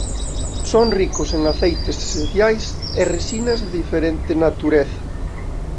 Son ricos en aceites esenciais e resinas de diferente natureza.